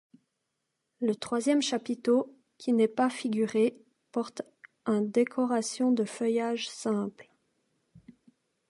Le troisième chapiteau, qui n'est pas figuré, porte un décoration de feuillages simples.